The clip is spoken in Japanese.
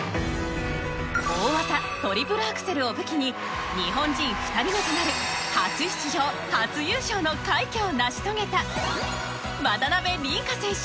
大技トリプルアクセルを武器に日本人２人目となる初出場初優勝の快挙を成し遂げた渡辺倫果選手